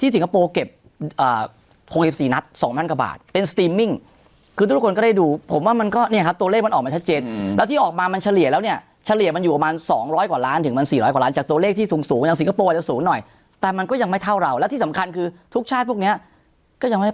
สิงคโปร์เก็บ๖๔นัด๒๐๐กว่าบาทเป็นสตรีมมิ่งคือทุกคนก็ได้ดูผมว่ามันก็เนี่ยครับตัวเลขมันออกมาชัดเจนแล้วที่ออกมามันเฉลี่ยแล้วเนี่ยเฉลี่ยมันอยู่ประมาณ๒๐๐กว่าล้านถึงมัน๔๐๐กว่าล้านจากตัวเลขที่สูงสูงอย่างสิงคโปร์อาจจะสูงหน่อยแต่มันก็ยังไม่เท่าเราและที่สำคัญคือทุกชาติพวกเนี้ยก็ยังไม่ได้